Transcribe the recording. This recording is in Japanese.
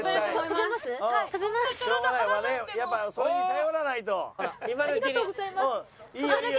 ありがとうございます。